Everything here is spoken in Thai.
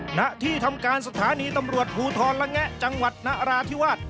หน้าที่ทำการสถานีตำรวจภูทรละแงะจังหวัดนราธิวาส